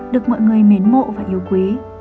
được mọi người mến mộ và yêu quý